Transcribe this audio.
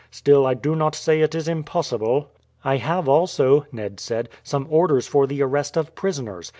Still I do not say it is impossible." "I have also," Ned said, "some orders for the arrest of prisoners.